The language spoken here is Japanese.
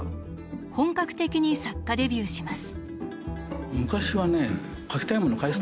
本格的に作家デビューします。